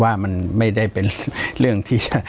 ปากกับภาคภูมิ